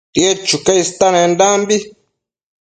tied chuca istenendambi